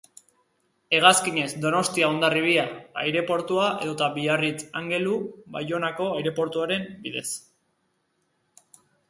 Hegazkinez, Donostia-Hondarribia aireportua edota Biarritz-Angelu-Baionako aireportuaren bidez.